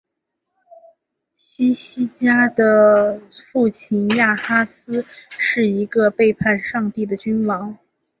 希西家的父亲亚哈斯是一个背逆上帝的君王。